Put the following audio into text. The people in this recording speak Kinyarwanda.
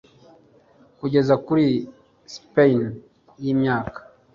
Kugeza kuri Spinner yimyaka